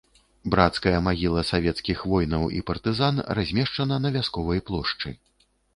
Брацкая магіла савецкіх воінаў і партызан размешчана на вясковай плошчы.